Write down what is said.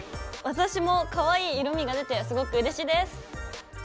私もかわいい色みが出てすごくうれしいです！